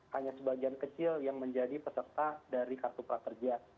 hanya sebagian kecil yang menjadi peserta dari kartu prakerja